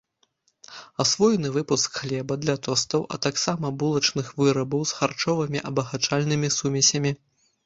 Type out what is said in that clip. Асвоены выпуск хлеба для тостаў, а таксама булачных вырабаў з харчовымі абагачальнымі сумесямі.